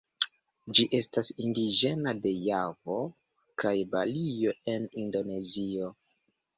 Ĝi estas indiĝena de Javo kaj Balio en Indonezio.